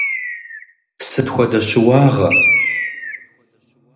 Сыт хуэдэ щыуагъэ?